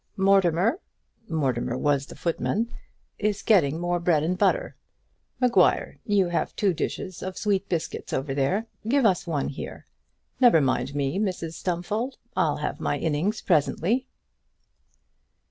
Mortimer," Mortimer was the footman, "is getting more bread and butter. Maguire, you have two dishes of sweet biscuits over there; give us one here. Never mind me, Mrs Stumfold; I'll have my innings presently."